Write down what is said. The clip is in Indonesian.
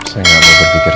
saya gak mau berpikir